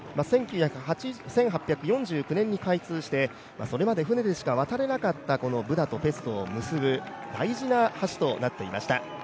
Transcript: １８４９年に開通して、それまで１人しか渡れなかったこのブダとペストを結ぶ大事な橋となっていました。